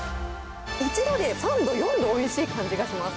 一度で３度、４度おいしい感じがします。